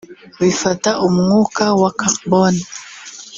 bifata umwuka wa carbone